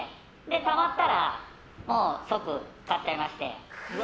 たまったら、即買っちゃいまして。